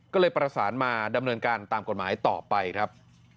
ก็เลยประสานมาดำเนินการตามกฎหมายต่อไปครับ